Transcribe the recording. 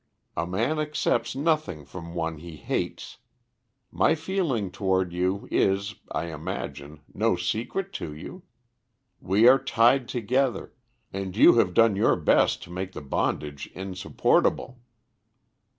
A man accepts nothing from one he hates. My feeling towards you is, I imagine, no secret to you. We are tied together, and you have done your best to make the bondage insupportable."